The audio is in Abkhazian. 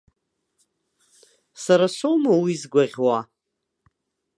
Сара соума уи згәаӷьуа?